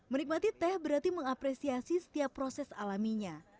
menikmati teh berarti mengapresiasi setiap proses alaminya